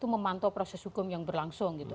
memantau proses hukum yang berlangsung gitu